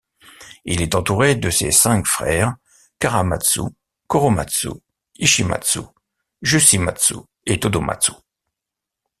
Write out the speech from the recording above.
Il est entouré de ses cinq frères, Karamatsu, Choromatsu, Ichimatsu, Jûshimatsu et Todomatsu.